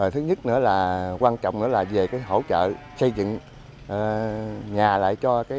thứ nhất quan trọng là về hỗ trợ xây dựng nhà lại cho